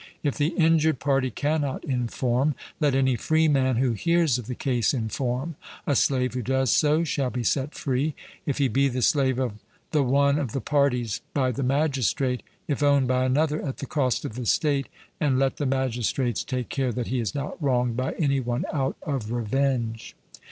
If the injured party cannot inform, let any freeman who hears of the case inform; a slave who does so shall be set free, if he be the slave of the one of the parties, by the magistrate, if owned by another, at the cost of the state; and let the magistrates, take care that he is not wronged by any one out of revenge.